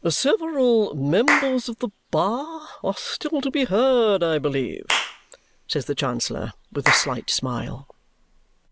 "Several members of the bar are still to be heard, I believe?" says the Chancellor with a slight smile.